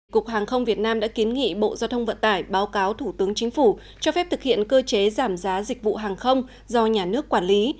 cục hàng không việt nam đã kiến nghị bộ giao thông vận tải báo cáo thủ tướng chính phủ cho phép thực hiện cơ chế giảm giá dịch vụ hàng không do nhà nước quản lý